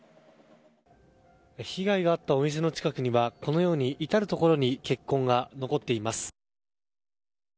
被害があったお店の近くには至るところに血痕が残っています。